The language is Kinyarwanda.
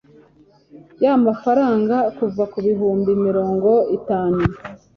y amafaranga kuva ku bihumbi mirongo itanu